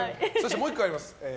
もう１個あります。